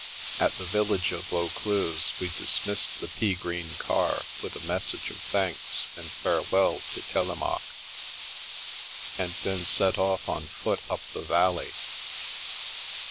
At the village of Vaucluse we dismissed the pea green car with a message of thanks and farewell to Telemaque, and then set off on foot up the valley.